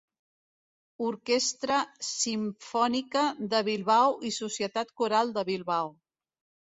Orquestra Simfònica de Bilbao i Societat Coral de Bilbao.